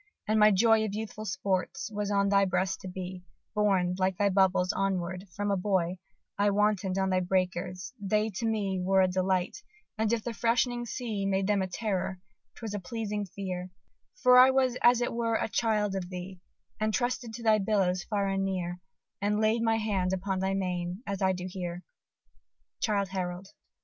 and my joy Of youthful sports was on thy breast to be Borne, like thy bubbles, onward: from a boy I wanton'd with thy breakers they to me Were a delight; and if the freshening sea Made them a terror 'twas a pleasing fear, For I was as it were a child of thee, And trusted to thy billows far and near, And laid my hand upon thy mane as I do here. (_Childe Harold.